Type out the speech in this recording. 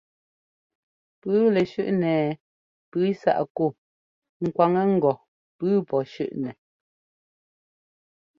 Pʉ́ʉ lɛ́ shʉ́ꞌnɛ ɛɛ pʉ́ʉ sáꞌ kú ŋ kwaŋɛ ŋgɔ pʉ́ʉ pɔ́ shʉ́ꞌnɛ.